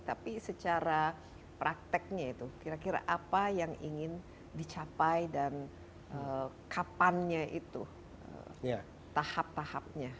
tapi secara prakteknya itu kira kira apa yang ingin dicapai dan kapannya itu tahap tahapnya